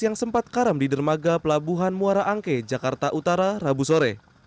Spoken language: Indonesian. yang sempat karam di dermaga pelabuhan muara angke jakarta utara rabu sore